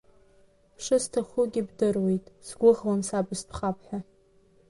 Бшысҭахугьы бдыруеит, сгәыӷуам са быстәхап ҳәа…